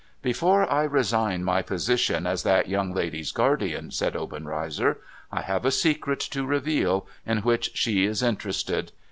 ' Before I resign my position as that young lady's guardian,' said Obenreizer, ' I have a secret to reveal in which she is interested.